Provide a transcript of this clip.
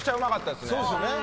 そうですよね。